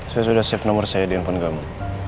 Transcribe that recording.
saya sudah save nomer saya di handphone kamu